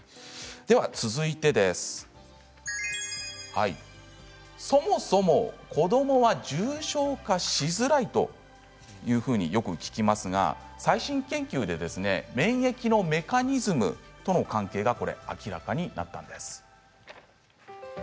続いてそもそも子どもは重症化しづらいというふうによく聞きますが最新研究で免疫のメカニズムとの関係が明らかになったんです。